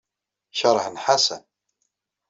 Keṛhen Ḥasan.